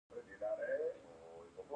د بېلګې په توګه نیم او څلورمه حصه وګورئ